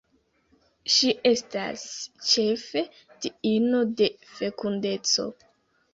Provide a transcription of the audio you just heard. Ŝi estas ĉefe diino de fekundeco.